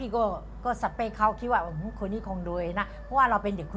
ชั่วโมงนึง